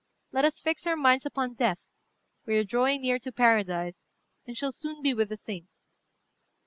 Let us fix our minds upon death: we are drawing near to paradise, and shall soon be with the saints.